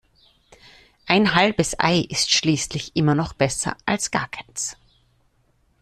Ein halbes Ei ist schließlich immer noch besser als gar keins.